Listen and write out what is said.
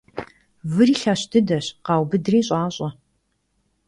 Выри лъэщ дыдэщ — къаубыдри щӀащӀэ.